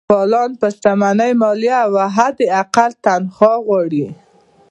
فعالان پر شتمنۍ مالیه او حداقل تنخوا غواړي.